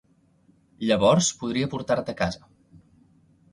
Llavors podria portar-te a casa.